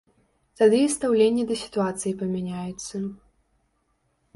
Тады і стаўленне да сітуацыі памяняецца.